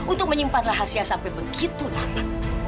untuk menyimpan rahasia sampai begitu lama